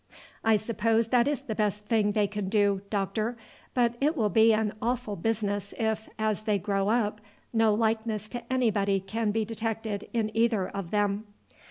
"I suppose that is the best thing they can do, doctor; but it will be an awful business if, as they grow up, no likeness to anybody can be detected in either of them."